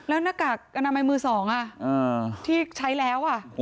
แล้วหน้ากากอนามัยมือ๒ที่ใช้แล้ว